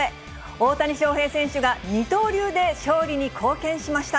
大谷翔平選手が二刀流で勝利に貢献しました。